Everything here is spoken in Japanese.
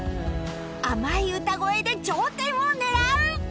甘い歌声で頂点を狙う